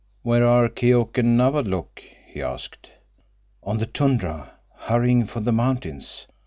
"Where are Keok and Nawadlook?" he asked. "On the tundra, hurrying for the mountains.